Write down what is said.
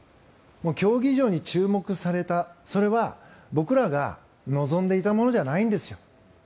競技以上に注目されたそれは、僕らが望んでいたものじゃないんですよ。